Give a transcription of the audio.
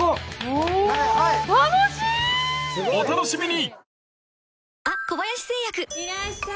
お楽しみに！